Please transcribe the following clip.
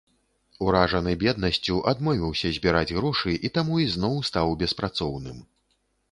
Уражаны беднасцю, адмовіўся збіраць грошы і таму ізноў стаў беспрацоўным.